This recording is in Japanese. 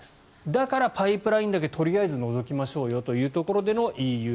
だからパイプラインだけとりあえず除きましょうというＥＵの合意。